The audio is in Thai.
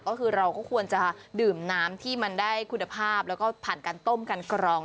ก็คือเราก็ควรจะดื่มน้ำที่มันได้คุณภาพแล้วก็ผ่านการต้มการกรอง